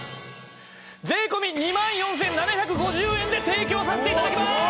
税込２万４７５０円で提供させて頂きます！